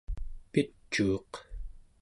picuuq